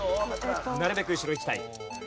なるべく後ろいきたい。